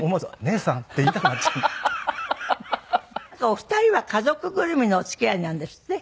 お二人は家族ぐるみのお付き合いなんですって？